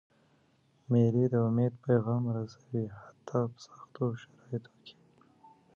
مېلې د امید پیغام رسوي، حتی په سختو شرایطو کي.